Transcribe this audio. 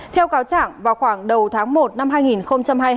theo cáo chẳng vào khoảng đầu tháng một năm hai nghìn một mươi bảy